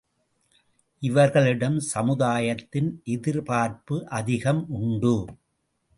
இவர்களிடம் சமுதாயத்தின் எதிர்பார்ப்பு அதிகம் உண்டு.